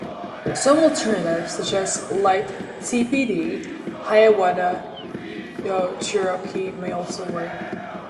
Some alternatives, such as Lighttpd, Hiawatha, Cherokee, may also work.